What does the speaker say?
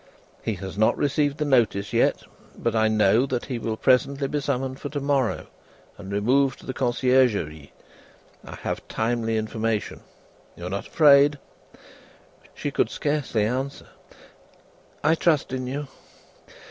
He has not received the notice yet, but I know that he will presently be summoned for to morrow, and removed to the Conciergerie; I have timely information. You are not afraid?" She could scarcely answer, "I trust in you."